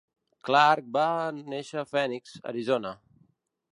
Clarke va néixer a Phoenix, Arizona.